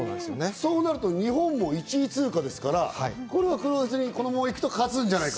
そうなると日本も１位通過ですから、変わらずにこのまま行くと勝つんじゃないか。